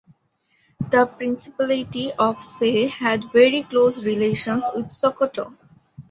The principality of Say had very close relations with Sokoto.